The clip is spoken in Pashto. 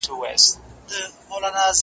علت یې هماغه د ده خپله خبره ده .